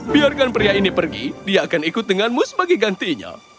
biarkan pria ini pergi dia akan ikut denganmu sebagai gantinya